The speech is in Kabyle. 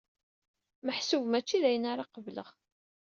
Meḥsub mačči d ayen ara qebleɣ.